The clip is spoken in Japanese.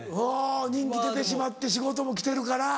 人気出てしまって仕事も来てるから。